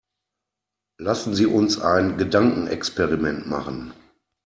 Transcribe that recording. Lassen Sie uns ein Gedankenexperiment machen.